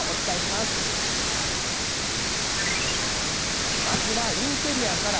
まずは、インテリアから。